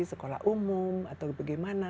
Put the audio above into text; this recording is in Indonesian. sekolah umum atau bagaimana